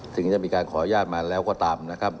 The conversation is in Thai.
ถึงจะมีการขออนุญาตมาแล้วก็ตามนะครับ